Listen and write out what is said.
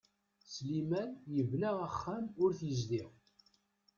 Sliman yebna axxam ur t-yezdiɣ.